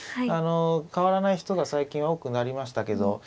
あの変わらない人が最近は多くなりましたけど。